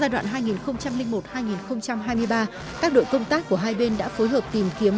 giai đoạn hai nghìn một hai nghìn hai mươi ba các đội công tác của hai bên đã phối hợp tìm kiếm